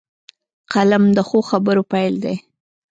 قلم د ښو خبرو پيل دی